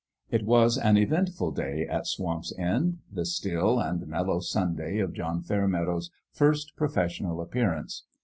It was an eventful day at Swamp's End the still and mellow Sunday of John Fairmeadow's first professional appearance.